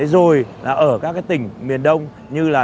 rồi là ở các tỉnh miền đông như là